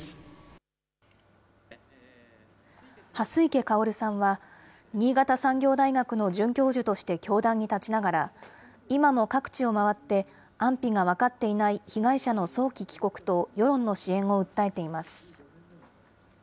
蓮池薫さんは、新潟産業大学の准教授として教壇に立ちながら、今も各地を回って、安否が分かっていない被害者の早期帰国と世論の支援を訴えています。